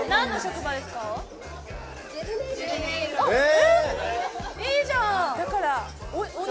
えっいいじゃん。